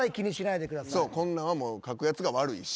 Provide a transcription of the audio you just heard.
そうこんなんはもう書くやつが悪いし。